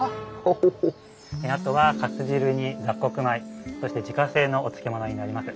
あとはかす汁に雑穀米そして自家製のお漬物になります。